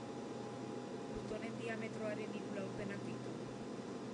Plutonen diametroaren hiru laurdenak ditu.